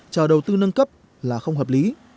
chờ đầu tư nâng cấp là không hợp lý